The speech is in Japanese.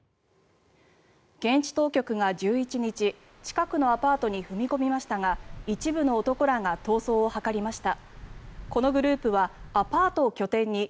現地当局が１１日近くのアパートに踏み込みましたが一部の男らが逃走を図りました。